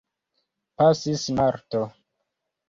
Pasis marto.